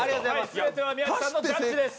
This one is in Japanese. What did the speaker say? すべては宮地さんのジャッジです。